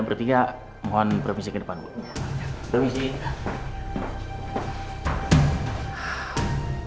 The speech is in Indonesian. berpikir mohon provinsi ke depan bu provisi